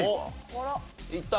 いった？